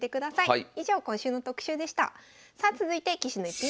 はい。